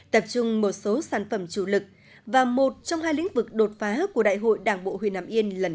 tập trung một số sản phẩm chủ lực và một trong hai lĩnh vực đột phá của đại hội đảng bộ huyền nam yên lần